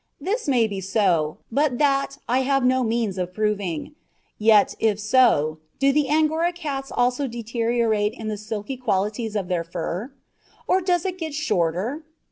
This may be so, but that I have no means of proving; yet, if so, do the Angora cats also deteriorate in the silky qualities of their fur? Or does it get shorter?